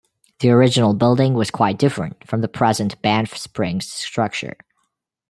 The original building was quite different from the present Banff Springs structure.